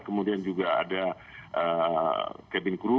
kemudian juga ada cabin crew